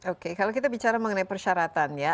oke kalau kita bicara mengenai persyaratan ya